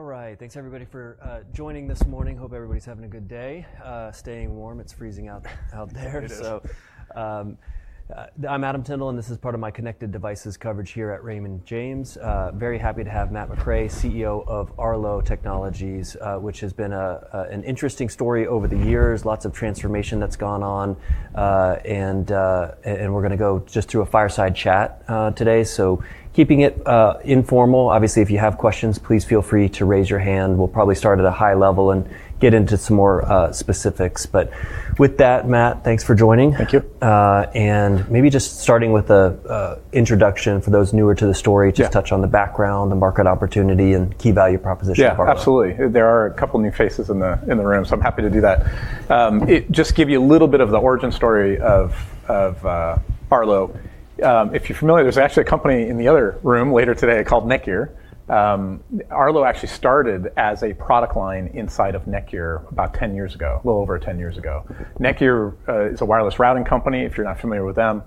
All right, thanks everybody for joining this morning. Hope everybody's having a good day. Staying warm, it's freezing out there, so I'm Adam Tindle, and this is part of my connected devices coverage here at Raymond James. Very happy to have Matt McRae, CEO of Arlo Technologies, which has been an interesting story over the years, lots of transformation that's gone on, and we're gonna go just through a fireside chat today, keeping it informal. Obviously, if you have questions, please feel free to raise your hand. We'll probably start at a high level and get into some more specifics. With that, Matt, thanks for joining. Thank you. Maybe just starting with an introduction for those newer to the story, just touch on the background, the market opportunity, and key value proposition of Arlo. Yeah, absolutely. There are a couple new faces in the, in the room, so I'm happy to do that. It just give you a little bit of the origin story of Arlo. If you're familiar, there's actually a company in the other room later today called NETGEAR. Arlo actually started as a product line inside of NETGEAR about 10 years ago, a little over 10 years ago. NETGEAR is a wireless routing company, if you're not familiar with them,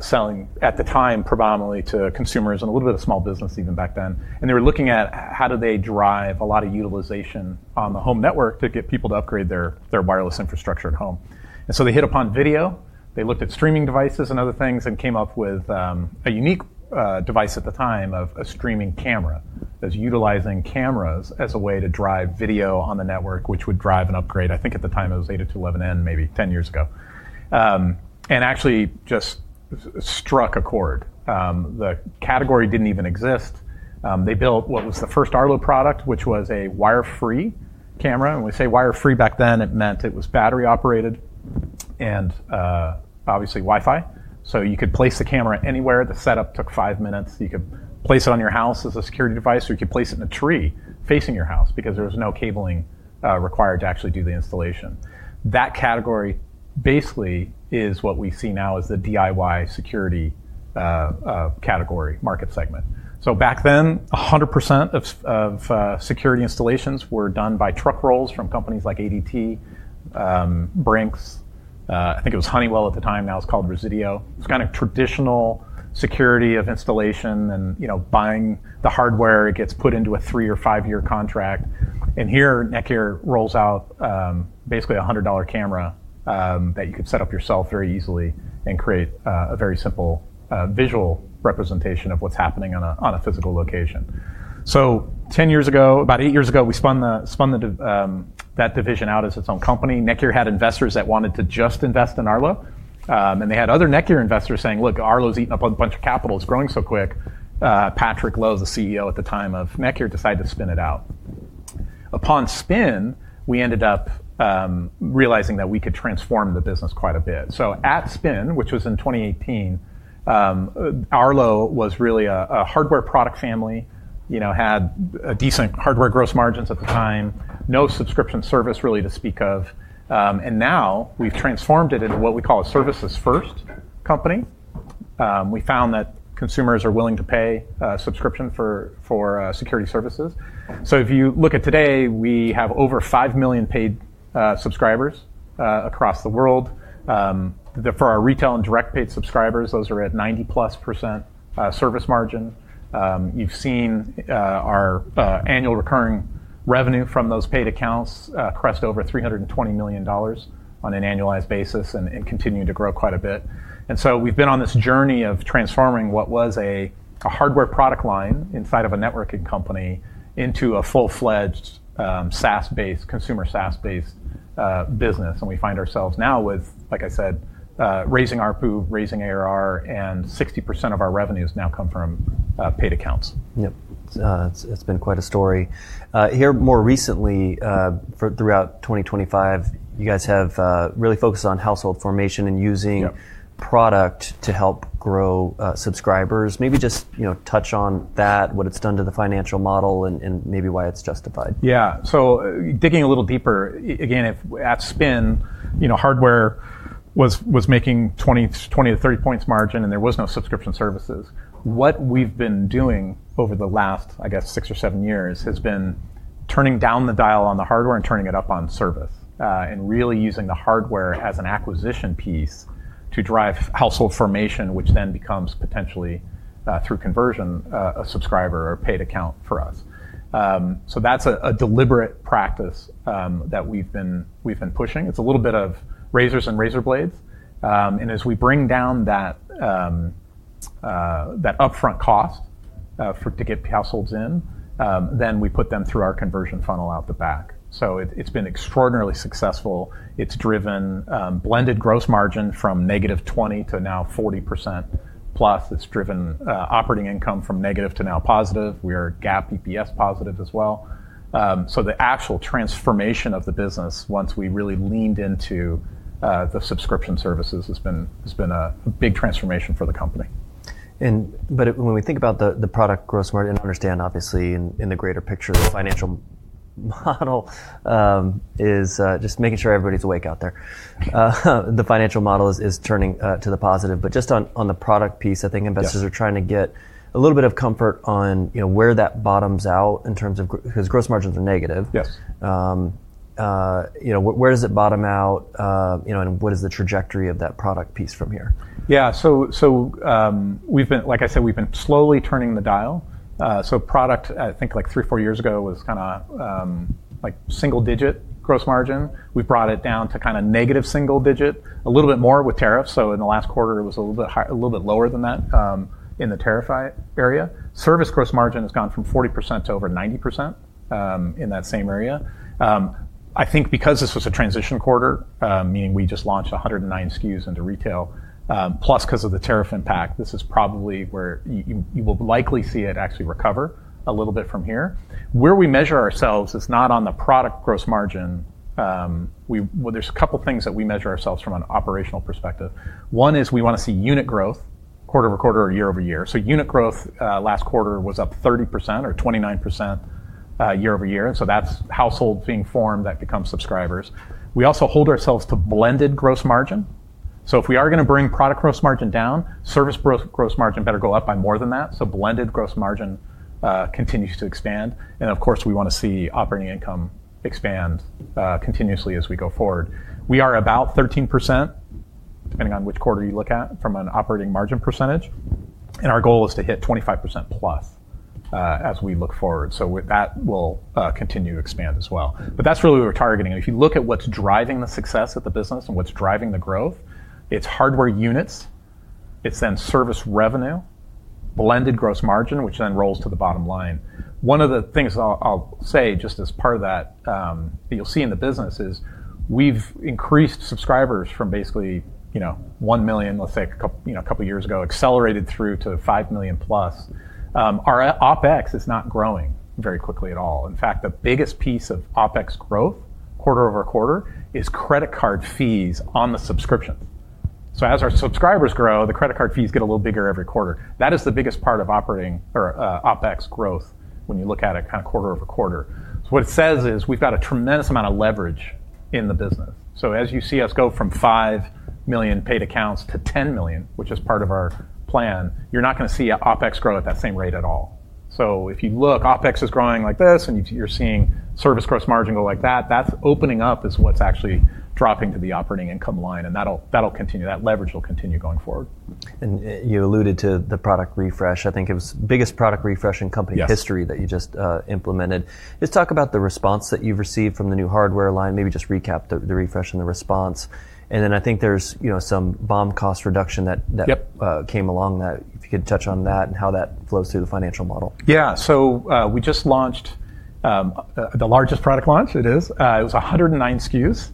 selling at the time predominantly to consumers and a little bit of small business even back then. And they were looking at how do they drive a lot of utilization on the home network to get people to upgrade their wireless infrastructure at home. And so they hit upon video. They looked at streaming devices and other things, and came up with a unique device at the time of a streaming camera that's utilizing cameras as a way to drive video on the network, which would drive an upgrade. I think at the time it was eight to 11, maybe 10 years ago. And actually just struck a chord. The category didn't even exist. They built what was the first Arlo product, which was a wire-free camera. And when we say wire-free back then, it meant it was battery operated and obviously Wi-Fi. So you could place the camera anywhere. The setup took five minutes. You could place it on your house as a security device, or you could place it in a tree facing your house because there was no cabling required to actually do the installation. That category basically is what we see now as the DIY security category, market segment. So back then, 100% of security installations were done by truck rolls from companies like ADT, Brink's. I think it was Honeywell at the time, now it's called Resideo. It's kind of traditional security of installation and, you know, buying the hardware. It gets put into a three or five-year contract. And here NETGEAR rolls out, basically a $100 camera, that you could set up yourself very easily and create a very simple visual representation of what's happening on a physical location. So 10 years ago, about eight years ago, we spun that division out as its own company. NETGEAR had investors that wanted to just invest in Arlo. And they had other NETGEAR investors saying, "Look, Arlo's eaten up a bunch of capital, it's growing so quick." Patrick Lo, the CEO at the time of NETGEAR, decided to spin it out. Upon spin, we ended up realizing that we could transform the business quite a bit. So at spin, which was in 2018, Arlo was really a hardware product family, you know, had decent hardware gross margins at the time, no subscription service really to speak of. And now we've transformed it into what we call a services-first company. We found that consumers are willing to pay a subscription for security services. So if you look at today, we have over five million paid subscribers across the world. For our retail and direct paid subscribers, those are at 90+% service margin. You've seen our annual recurring revenue from those paid accounts crest over $320 million on an annualized basis and continuing to grow quite a bit. So we've been on this journey of transforming what was a hardware product line inside of a networking company into a full-fledged SaaS-based consumer business. We find ourselves now with, like I said, raising ARPU, raising ARR, and 60% of our revenues now come from paid accounts. Yep. It's been quite a story. Here more recently, throughout 2025, you guys have really focused on household formation and using. Yep. Products to help grow subscribers. Maybe just, you know, touch on that, what it's done to the financial model and maybe why it's justified. Yeah. So digging a little deeper, again, if at spin, you know, hardware was making 20 points-30 points margin and there was no subscription services. What we've been doing over the last, I guess, six or seven years has been turning down the dial on the hardware and turning it up on service, and really using the hardware as an acquisition piece to drive household formation, which then becomes potentially, through conversion, a subscriber or paid account for us. So that's a deliberate practice that we've been pushing. It's a little bit of razors and razor blades. And as we bring down that upfront cost for to get households in, then we put them through our conversion funnel out the back. So it, it's been extraordinarily successful. It's driven blended gross margin from -20% to now +40%. It's driven operating income from negative to now positive. We are GAAP EPS positive as well, so the actual transformation of the business once we really leaned into the subscription services has been a big transformation for the company. When we think about the product gross margin and understand, obviously, in the greater picture, the financial model is just making sure everybody's awake out there. The financial model is turning to the positive. But just on the product piece, I think investors are trying to get a little bit of comfort on, you know, where that bottoms out in terms of, 'cause gross margins are negative. Yes. You know, where, where does it bottom out, you know, and what is the trajectory of that product piece from here? Yeah. So, like I said, we've been slowly turning the dial. Product, I think like three, four years ago was kind of like single digit gross margin. We've brought it down to kind of negative single digit, a little bit more with tariffs. So in the last quarter, it was a little bit higher, a little bit lower than that, in the tariff area. Service gross margin has gone from 40% to over 90%, in that same area. I think because this was a transition quarter, meaning we just launched 109 SKUs into retail, plus 'cause of the tariff impact, this is probably where you will likely see it actually recover a little bit from here. Where we measure ourselves is not on the product gross margin. We, there's a couple things that we measure ourselves from an operational perspective. One is we wanna see unit growth quarter over quarter or year over year. So unit growth, last quarter was up 30% or 29%, year-over-year. And so that's households being formed that become subscribers. We also hold ourselves to blended gross margin. So if we are gonna bring product gross margin down, service gross margin better go up by more than that. So blended gross margin, continues to expand. And of course, we wanna see operating income expand, continuously as we go forward. We are about 13%, depending on which quarter you look at, from an operating margin percentage. And our goal is to hit 25% plus, as we look forward. So with that, we'll continue to expand as well. But that's really what we're targeting. And if you look at what's driving the success of the business and what's driving the growth, it's hardware units, it's then service revenue, blended gross margin, which then rolls to the bottom line. One of the things I'll say just as part of that, that you'll see in the business is we've increased subscribers from basically, you know, 1 million, let's say a couple, you know, a couple years ago, accelerated through to 5 million plus. Our OpEx is not growing very quickly at all. In fact, the biggest piece of OpEx growth quarter over quarter is credit card fees on the subscription. So as our subscribers grow, the credit card fees get a little bigger every quarter. That is the biggest part of operating OpEx growth when you look at it kind of quarter over quarter. What it says is we've got a tremendous amount of leverage in the business. As you see us go from five million paid accounts to 10 million, which is part of our plan, you're not gonna see OpEx grow at that same rate at all. If you look, OpEx is growing like this and you're seeing service gross margin go like that, that's opening up is what's actually dropping to the operating income line. And that'll continue, that leverage will continue going forward. You alluded to the product refresh. I think it was biggest product refresh in company history that you just implemented. Yes. Let's talk about the response that you've received from the new hardware line. Maybe just recap the refresh and the response. And then I think there's, you know, some BOM cost reduction that. Yep. Came along that if you could touch on that and how that flows through the financial model. Yeah. So, we just launched the largest product launch. It was 109 SKUs.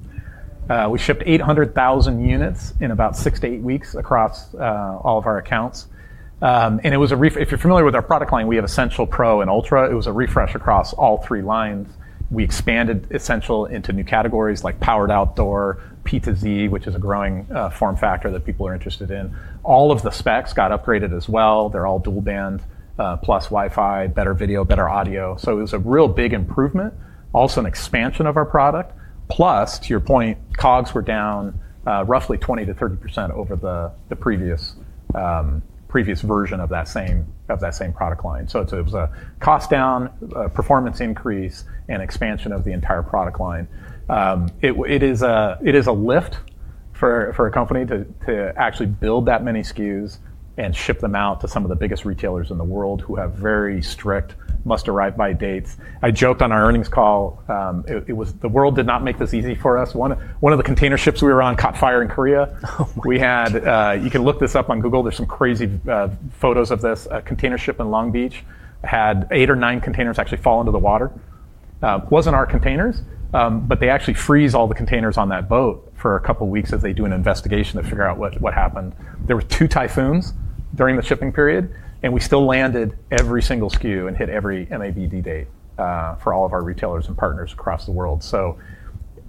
We shipped 800,000 units in about six to eight weeks across all of our accounts. It was a refresh, if you're familiar with our product line. We have Essential, Pro, and Ultra. It was a refresh across all three lines. We expanded Essential into new categories like powered outdoor, PTZ, which is a growing form factor that people are interested in. All of the specs got upgraded as well. They're all dual band, plus Wi-Fi, better video, better audio. So it was a real big improvement, also an expansion of our product. Plus, to your point, COGS were down, roughly 20%-30% over the previous version of that same product line. It was a cost down, a performance increase, and expansion of the entire product line. It is a lift for a company to actually build that many SKUs and ship them out to some of the biggest retailers in the world who have very strict must-arrive-by dates. I joked on our earnings call. It was the world did not make this easy for us. One of the container ships we were on caught fire in Korea. You can look this up on Google. There's some crazy photos of this. A container ship in Long Beach had eight or nine containers actually fall into the water. It wasn't our containers, but they actually freeze all the containers on that boat for a couple weeks as they do an investigation to figure out what happened. There were two typhoons during the shipping period, and we still landed every single SKU and hit every MABD date, for all of our retailers and partners across the world. So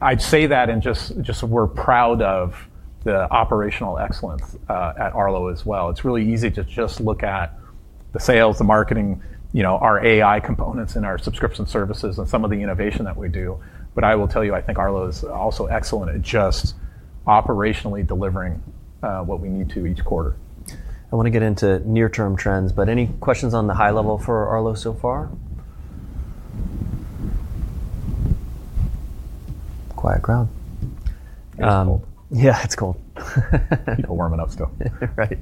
I'd say that and just we're proud of the operational excellence, at Arlo as well. It's really easy to just look at the sales, the marketing, you know, our AI components in our subscription services and some of the innovation that we do. But I will tell you, I think Arlo is also excellent at just operationally delivering, what we need to each quarter. I wanna get into near-term trends, but any questions on the high level for Arlo so far? Quiet ground. It's cold. Yeah, it's cold. People warming up still. Right.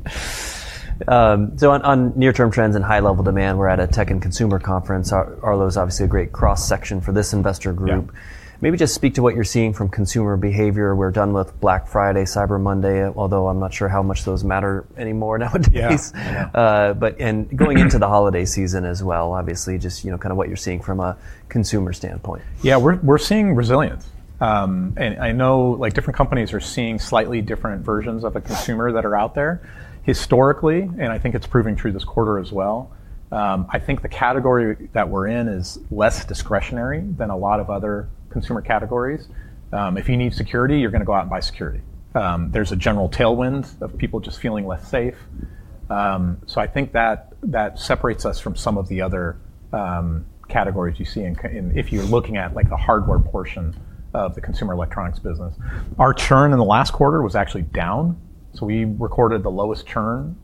So on near-term trends and high-level demand, we're at a tech and consumer conference. Arlo's obviously a great cross-section for this investor group. Yeah. Maybe just speak to what you're seeing from consumer behavior. We're done with Black Friday, Cyber Monday, although I'm not sure how much those matter anymore nowadays. Yeah. and going into the holiday season as well, obviously just, you know, kind of what you're seeing from a consumer standpoint. Yeah, we're seeing resilience, and I know like different companies are seeing slightly different versions of the consumer that are out there historically, and I think it's proving true this quarter as well. I think the category that we're in is less discretionary than a lot of other consumer categories. If you need security, you're gonna go out and buy security. There's a general tailwind of people just feeling less safe, so I think that separates us from some of the other categories you see in if you're looking at like the hardware portion of the consumer electronics business. Our churn in the last quarter was actually down, so we recorded the lowest churn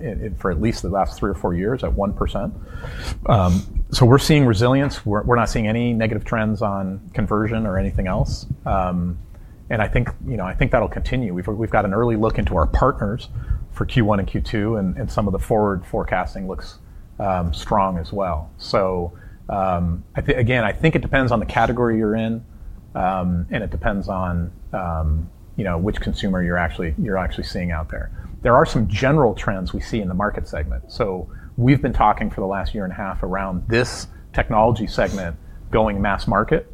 in for at least the last three or four years at 1%, so we're seeing resilience. We're not seeing any negative trends on conversion or anything else. And I think, you know, I think that'll continue. We've got an early look into our partners for Q1 and Q2, and some of the forward forecasting looks strong as well. So, I think, again, I think it depends on the category you're in, and it depends on, you know, which consumer you're actually seeing out there. There are some general trends we see in the market segment. So we've been talking for the last year and a half around this technology segment going mass market.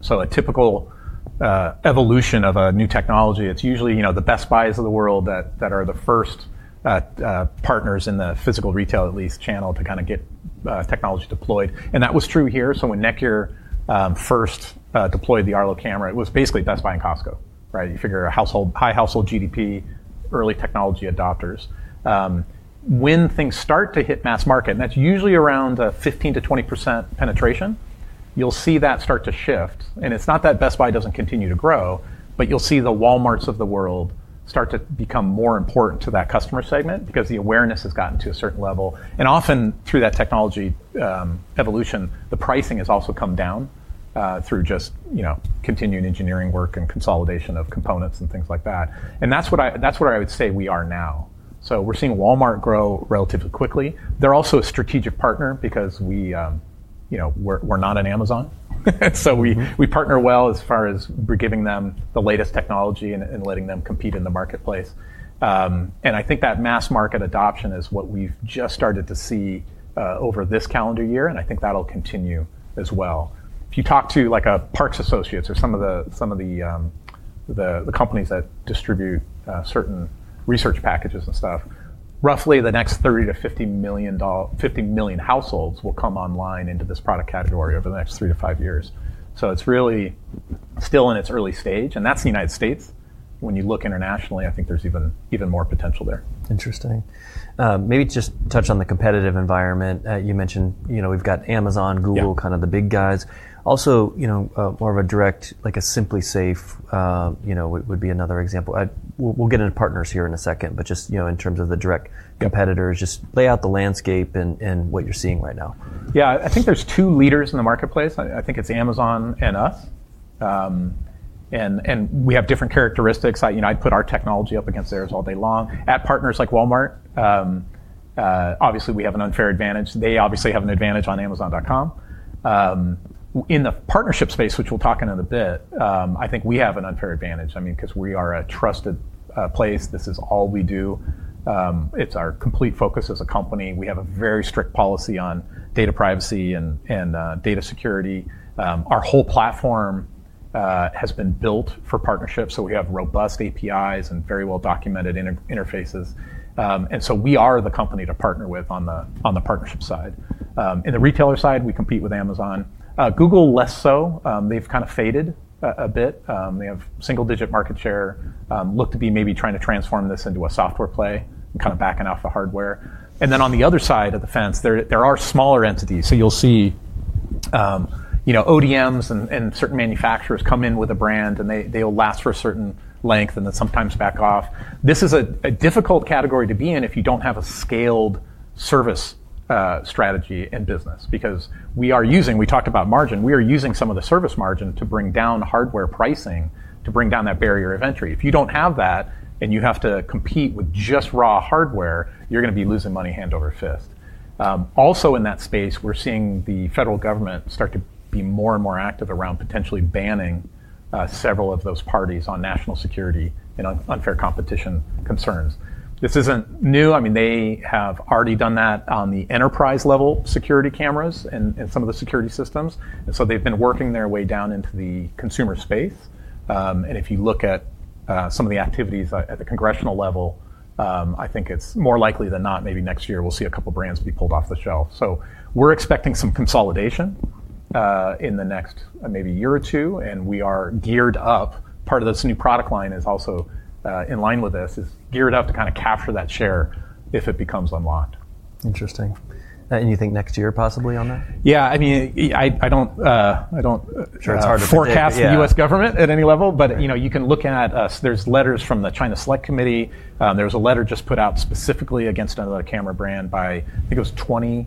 So a typical evolution of a new technology, it's usually, you know, the Best Buys of the world that are the first partners in the physical retail at least channel to kind of get technology deployed. And that was true here. So when NETGEAR first deployed the Arlo camera, it was basically Best Buy and Costco, right? You figure a household, high household GDP, early technology adopters. When things start to hit mass market, and that's usually around a 15%-20% penetration, you'll see that start to shift. And it's not that Best Buy doesn't continue to grow, but you'll see the Walmarts of the world start to become more important to that customer segment because the awareness has gotten to a certain level. And often through that technology, evolution, the pricing has also come down, through just, you know, continuing engineering work and consolidation of components and things like that. And that's what I, that's what I would say we are now. So we're seeing Walmart grow relatively quickly. They're also a strategic partner because we, you know, we're, we're not an Amazon. So we, we partner well as far as we're giving them the latest technology and, and letting them compete in the marketplace. I think that mass market adoption is what we've just started to see over this calendar year. I think that'll continue as well. If you talk to like a Parks Associates or some of the companies that distribute certain research packages and stuff, roughly the next 30 million-50 million households will come online into this product category over the next three to five years. So it's really still in its early stage, and that's the United States. When you look internationally, I think there's even more potential there. Interesting. Maybe just touch on the competitive environment. You mentioned, you know, we've got Amazon, Google kind of the big guys. Also, you know, more of a direct, like a SimpliSafe, you know, would be another example. We'll get into partners here in a second, but just, you know, in terms of the direct competitors, just lay out the landscape and what you're seeing right now. Yeah. I think there's two leaders in the marketplace. I think it's Amazon and us. And we have different characteristics. I you know, I'd put our technology up against theirs all day long. At partners like Walmart, obviously we have an unfair advantage. They obviously have an advantage on Amazon.com. In the partnership space, which we'll talk in a bit, I think we have an unfair advantage. I mean, 'cause we are a trusted place. This is all we do. It's our complete focus as a company. We have a very strict policy on data privacy and data security. Our whole platform has been built for partnership. So we have robust APIs and very well-documented interfaces. And so we are the company to partner with on the partnership side. In the retailer side, we compete with Amazon. Google less so. They've kind of faded a bit. They have single digit market share, look to be maybe trying to transform this into a software play and kind of backing off the hardware. And then on the other side of the fence, there are smaller entities. So you'll see, you know, ODMs and certain manufacturers come in with a brand and they, they'll last for a certain length and then sometimes back off. This is a difficult category to be in if you don't have a scaled service strategy in business because we are using, we talked about margin, we are using some of the service margin to bring down hardware pricing to bring down that barrier of entry. If you don't have that and you have to compete with just raw hardware, you're gonna be losing money hand over fist. Also in that space, we're seeing the federal government start to be more and more active around potentially banning several of those parties on national security and unfair competition concerns. This isn't new. I mean, they have already done that on the enterprise level security cameras and some of the security systems. And so they've been working their way down into the consumer space. If you look at some of the activities at the congressional level, I think it's more likely than not, maybe next year we'll see a couple brands be pulled off the shelf. So we're expecting some consolidation in the next maybe year or two. And we are geared up. Part of this new product line is also in line with this is geared up to kind of capture that share if it becomes unlocked. Interesting. And you think next year possibly on that? Yeah. I mean, I don't. Sure. It's hard to forecast the U.S. government at any level, but you know, you can look at. There's letters from the China Select Committee. There was a letter just put out specifically against another camera brand by, I think it was 20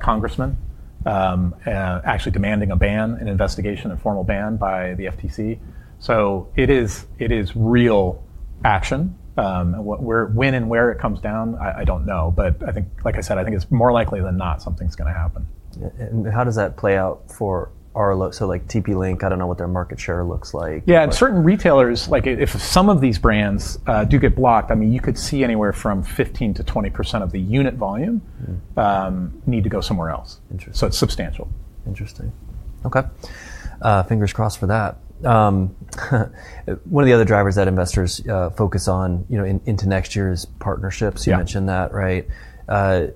congressmen, actually demanding a ban, an investigation, a formal ban by the FTC. So it is, it is real action. What, where, when and where it comes down, I, I don't know, but I think, like I said, I think it's more likely than not something's gonna happen. And how does that play out for Arlo? So like TP-Link, I don't know what their market share looks like. Yeah. And certain retailers, like if some of these brands do get blocked, I mean, you could see anywhere from 15%-20% of the unit volume need to go somewhere else. Interesting. So it's substantial. Interesting. Okay. Fingers crossed for that. One of the other drivers that investors focus on, you know, in into next year's partnerships. Yeah. You mentioned that, right?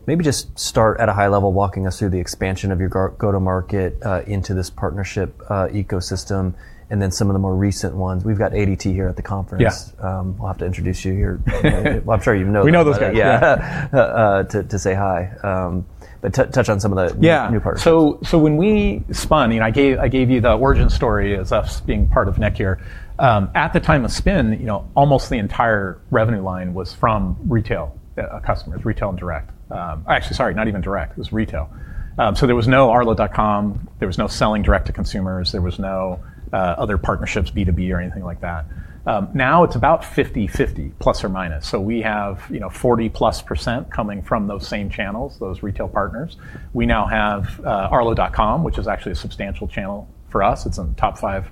Maybe just start at a high level, walking us through the expansion of your go-to-market into this partnership ecosystem. Then some of the more recent ones. We've got ADT here at the conference. Yes. We'll have to introduce you here. I'm sure you know them. We know those guys. Yeah. to say hi, but touch on some of the new partners. Yeah. So when we spun, I mean, I gave you the origin story as us being part of NETGEAR. At the time of spin, you know, almost the entire revenue line was from retail customers, retail and direct. Actually, sorry, not even direct. It was retail, so there was no Arlo.com, there was no selling direct to consumers, there was no other partnerships, B2B or anything like that. Now it's about 50/50 ±. So we have, you know, 40+% coming from those same channels, those retail partners. We now have Arlo.com, which is actually a substantial channel for us. It's in the top five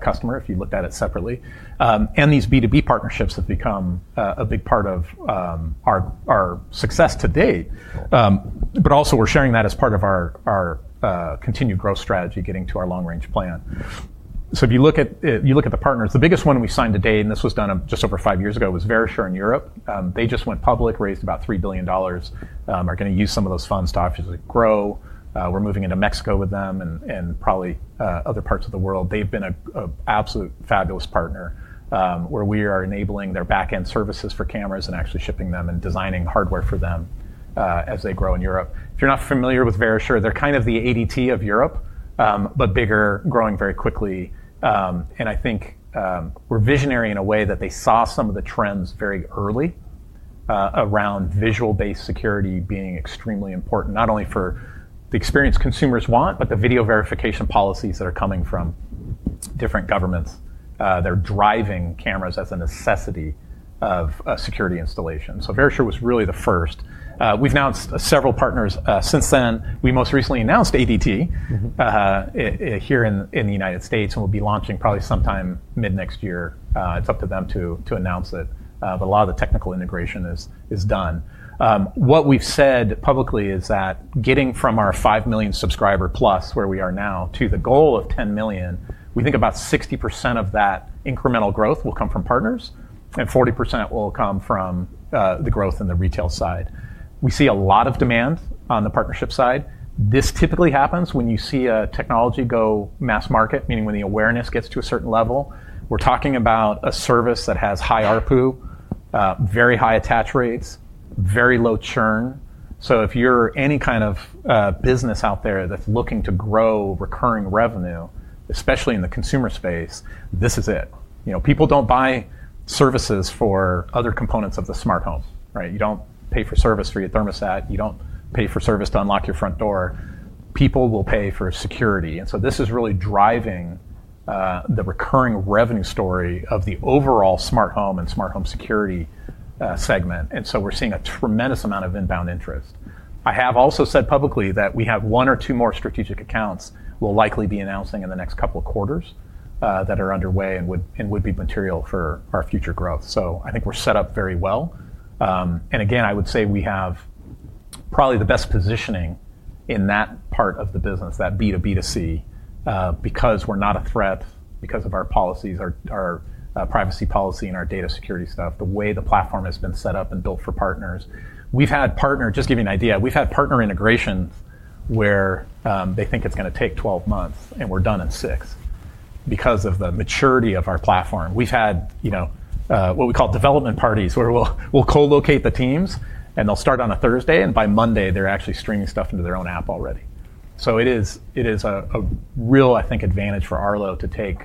customer if you looked at it separately. And these B2B partnerships have become a big part of our success to date. But also we're sharing that as part of our continued growth strategy, getting to our long-range plan. So if you look at the partners, the biggest one we signed today, and this was done just over five years ago, was Verisure in Europe. They just went public, raised about $3 billion, are gonna use some of those funds to obviously grow. We're moving into Mexico with them and probably other parts of the world. They've been a absolute fabulous partner, where we are enabling their backend services for cameras and actually shipping them and designing hardware for them, as they grow in Europe. If you're not familiar with Verisure, they're kind of the ADT of Europe, but bigger, growing very quickly. And I think we're visionary in a way that they saw some of the trends very early around visual-based security being extremely important, not only for the experience consumers want, but the video verification policies that are coming from different governments that are driving cameras as a necessity of security installation. So Verisure was really the first. We've announced several partners since then. We most recently announced ADT here in the United States and we'll be launching probably sometime mid-next year. It's up to them to announce it. But a lot of the technical integration is done. What we've said publicly is that getting from our 5 million subscriber plus where we are now to the goal of 10 million, we think about 60% of that incremental growth will come from partners and 40% will come from the growth in the retail side. We see a lot of demand on the partnership side. This typically happens when you see a technology go mass market, meaning when the awareness gets to a certain level. We're talking about a service that has high RPU, very high attach rates, very low churn. So if you're any kind of business out there that's looking to grow recurring revenue, especially in the consumer space, this is it. You know, people don't buy services for other components of the smart home, right? You don't pay for service for your thermostat. You don't pay for service to unlock your front door. People will pay for security. And so this is really driving the recurring revenue story of the overall smart home and smart home security segment. And so we're seeing a tremendous amount of inbound interest. I have also said publicly that we have one or two more strategic accounts we'll likely be announcing in the next couple of quarters, that are underway and would be material for our future growth. So I think we're set up very well and again, I would say we have probably the best positioning in that part of the business, that B2B2C, because we're not a threat because of our policies, our privacy policy and our data security stuff, the way the platform has been set up and built for partners. Just giving you an idea, we've had partner integrations where they think it's gonna take 12 months and we're done in six because of the maturity of our platform. We've had, you know, what we call development parties where we'll co-locate the teams and they'll start on a Thursday and by Monday they're actually streaming stuff into their own app already. So it is a real, I think, advantage for Arlo to take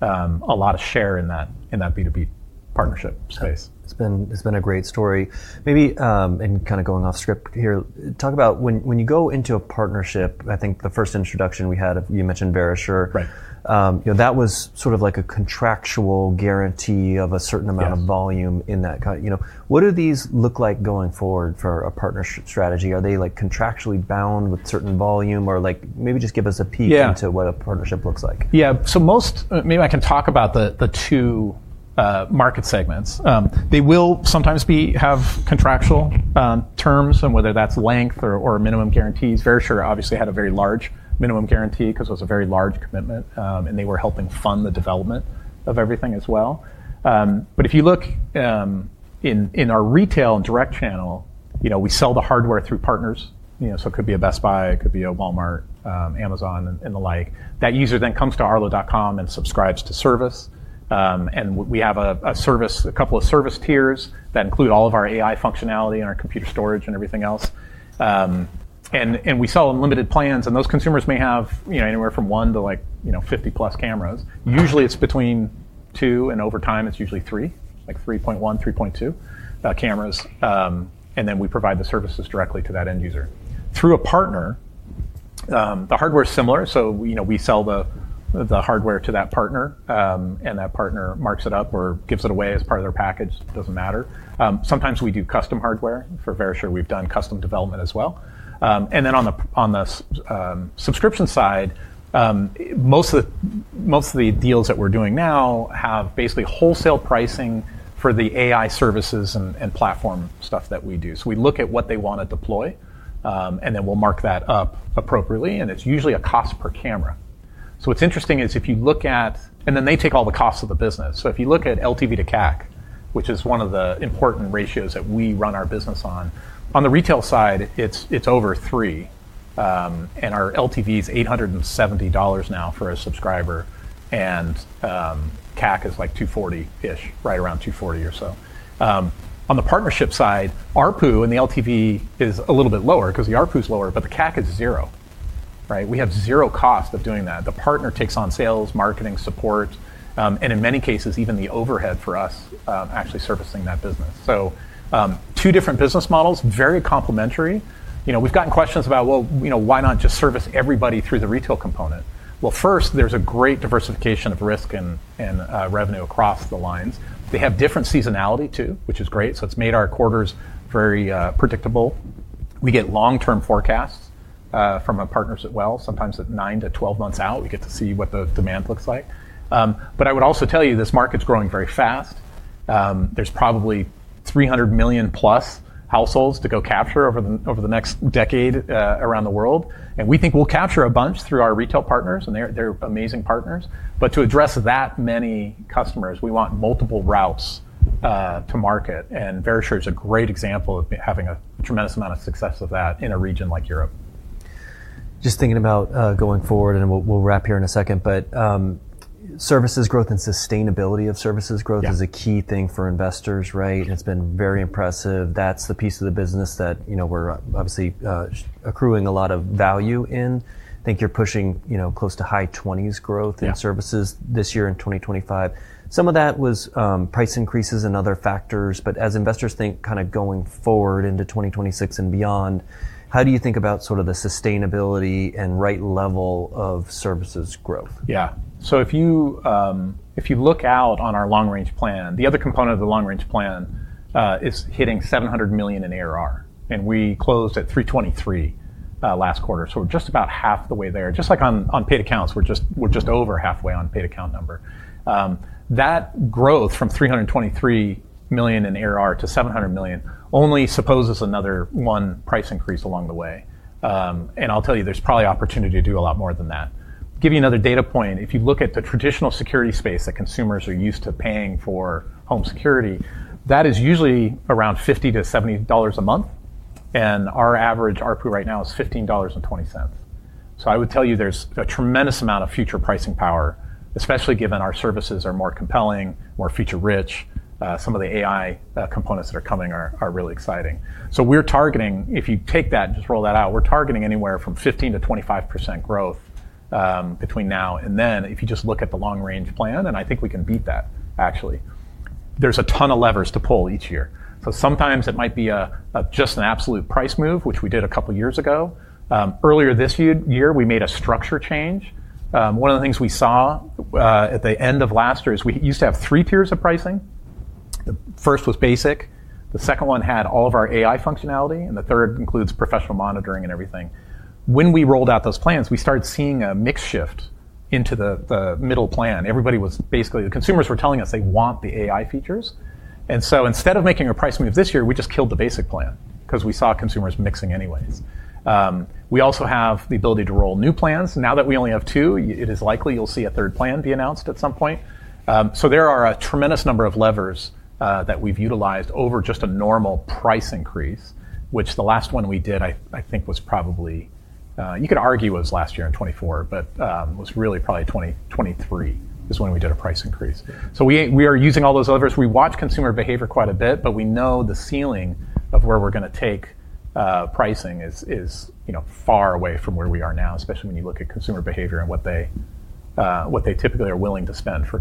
a lot of share in that B2B partnership space. It's been a great story. Maybe, and kind of going off script here, talk about when you go into a partnership. I think the first introduction we had of you mentioned Verisure. Right. You know, that was sort of like a contractual guarantee of a certain amount of volume in that kind, you know, what do these look like going forward for a partnership strategy? Are they like contractually bound with certain volume or like maybe just give us a peek into what a partnership looks like? Yeah. So most, maybe I can talk about the two market segments, they will sometimes have contractual terms and whether that's length or minimum guarantees. Verisure obviously had a very large minimum guarantee 'cause it was a very large commitment, and they were helping fund the development of everything as well, but if you look in our retail and direct channel, you know, we sell the hardware through partners, you know, so it could be a Best Buy, it could be a Walmart, Amazon, and the like. That user then comes to Arlo.com and subscribes to service, and we have a couple of service tiers that include all of our AI functionality and our computer storage and everything else, and we sell unlimited plans and those consumers may have, you know, anywhere from one to like 50 plus cameras. Usually it's between two and over time it's usually three, like 3.1, 3.2, cameras, and then we provide the services directly to that end user. Through a partner, the hardware's similar. So, you know, we sell the hardware to that partner, and that partner marks it up or gives it away as part of their package. Doesn't matter. Sometimes we do custom hardware for Verisure. We've done custom development as well. And then on the subscription side, most of the deals that we're doing now have basically wholesale pricing for the AI services and platform stuff that we do. So we look at what they wanna deploy, and then we'll mark that up appropriately, and it's usually a cost per camera. So what's interesting is if you look at, and then they take all the costs of the business. So if you look at LTV to CAC, which is one of the important ratios that we run our business on, on the retail side, it's over three. And our LTV is $870 now for a subscriber. And CAC is like 240-ish, right around 240 or so. On the partnership side, RPU and the LTV is a little bit lower 'cause the RPU's lower, but the CAC is zero, right? We have zero cost of doing that. The partner takes on sales, marketing support, and in many cases, even the overhead for us, actually servicing that business. So, two different business models, very complimentary. You know, we've gotten questions about, well, you know, why not just service everybody through the retail component? Well, first, there's a great diversification of risk and revenue across the lines. They have different seasonality too, which is great. So it's made our quarters very predictable. We get long-term forecasts from our partners as well. Sometimes at nine to 12 months out, we get to see what the demand looks like. But I would also tell you this market's growing very fast. There's probably 300 million-plus households to go capture over the next decade around the world. And we think we'll capture a bunch through our retail partners and they're amazing partners. But to address that many customers, we want multiple routes to market. And Verisure is a great example of having a tremendous amount of success of that in a region like Europe. Just thinking about going forward and we'll wrap here in a second, but services growth and sustainability of services growth is a key thing for investors, right? And it's been very impressive. That's the piece of the business that, you know, we're obviously accruing a lot of value in. I think you're pushing, you know, close to high 20s growth in services this year and 2025. Some of that was price increases and other factors. But as investors think kind of going forward into 2026 and beyond, how do you think about sort of the sustainability and right level of services growth? Yeah. So if you look out on our long-range plan, the other component of the long-range plan is hitting $700 million in ARR. And we closed at $323 million last quarter. So we're just about half the way there. Just like on paid accounts, we're just over halfway on paid account number. That growth from $323 million in ARR to $700 million only supposes another one price increase along the way. And I'll tell you, there's probably opportunity to do a lot more than that. Give you another data point. If you look at the traditional security space that consumers are used to paying for home security, that is usually around $50-$70 a month. And our average ARPU right now is $15.20. So I would tell you there's a tremendous amount of future pricing power, especially given our services are more compelling, more feature rich. Some of the AI components that are coming are really exciting. So we're targeting, if you take that and just roll that out, we're targeting anywhere from 15%-25% growth, between now and then. If you just look at the long-range plan, and I think we can beat that actually, there's a ton of levers to pull each year. So sometimes it might be a just an absolute price move, which we did a couple of years ago. Earlier this year, we made a structure change. One of the things we saw at the end of last year is we used to have three tiers of pricing. The first was basic. The second one had all of our AI functionality and the third includes professional monitoring and everything. When we rolled out those plans, we started seeing a mix shift into the middle plan. Everybody was basically the consumers were telling us they want the AI features. And so instead of making a price move this year, we just killed the basic plan 'cause we saw consumers mixing anyways. We also have the ability to roll new plans. Now that we only have two, it is likely you'll see a third plan be announced at some point. There are a tremendous number of levers that we've utilized over just a normal price increase, which the last one we did, I think was probably. You could argue it was last year in 2024, but it was really probably 2023 is when we did a price increase. We are using all those levers. We watch consumer behavior quite a bit, but we know the ceiling of where we're gonna take pricing is, you know, far away from where we are now, especially when you look at consumer behavior and what they typically are willing to spend for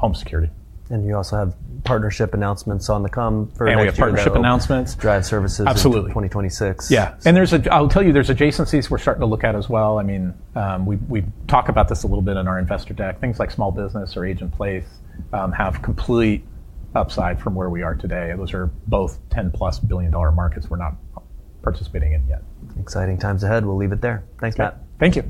home security. You also have partnership announcements on the horizon. We have partnership announcements. Drive services. Absolutely. 2026. Yes. And I'll tell you, there's adjacencies we're starting to look at as well. I mean, we talk about this a little bit in our investor deck. Things like small business or aging in place have complete upside from where we are today. Those are both $10-plus billion-dollar markets we're not participating in yet. Exciting times ahead. We'll leave it there. Thanks, Matt. Thank you.